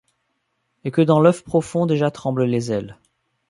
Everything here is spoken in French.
Et que dans l’oeuf profond déjà tremblent les ailes !